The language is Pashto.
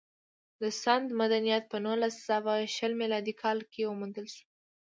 د سند مدنیت په نولس سوه شل میلادي کال کې وموندل شو